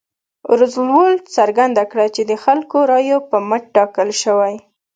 روزولټ څرګنده کړه چې د خلکو رایو پر مټ ټاکل شوی.